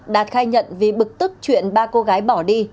đạt khai nhận vì bực tức chuyện ba cô gái bỏ đi